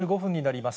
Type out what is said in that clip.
４時４５分になります。